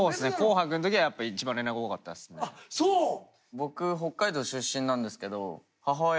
僕北海道出身なんですけど母親